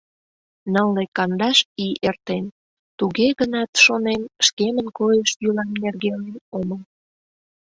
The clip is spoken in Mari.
Нылле кандаш ий эртен, туге гынат, шонем, шкемын койыш-йӱлам нергелен омыл.